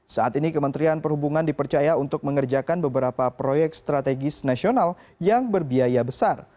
saat ini kementerian perhubungan dipercaya untuk mengerjakan beberapa proyek strategis nasional yang berbiaya besar